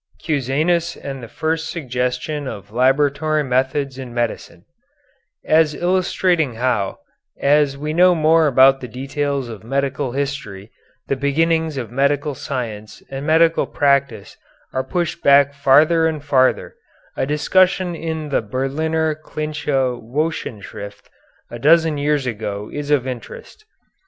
XIII CUSANUS AND THE FIRST SUGGESTION OF LABORATORY METHODS IN MEDICINE As illustrating how, as we know more about the details of medical history, the beginnings of medical science and medical practice are pushed back farther and farther, a discussion in the Berliner klinische Wochenschrift a dozen years ago is of interest.